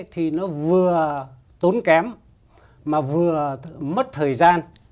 thì nó vừa tốn kém mà vừa mất thời gian